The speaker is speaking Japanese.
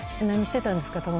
何してたんですか？